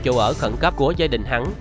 châu ở khẩn cấp của gia đình hắn